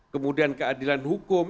kemudian keadilan hukum